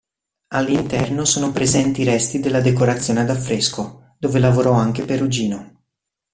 All'interno sono presenti resti della decorazione ad affresco, dove lavorò anche Perugino.